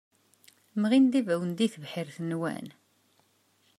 Mɣin-d ibawen deg tebḥirt-nwen?